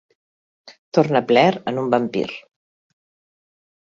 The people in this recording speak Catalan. Torna Blair en un vampir.